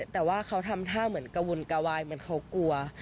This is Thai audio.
แต่ว่าเขาทำท่าเหมือนกระวนกระวายเหมือนเขากลัว